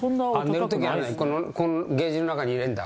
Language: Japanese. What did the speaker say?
寝る時このケージの中に入れんだ